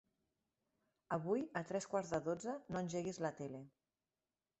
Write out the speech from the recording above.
Avui a tres quarts de dotze no engeguis la tele.